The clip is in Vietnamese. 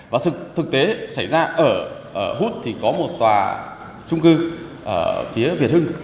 và thực tế xảy ra ở hút thì có một tòa trung cư ở phía việt hưng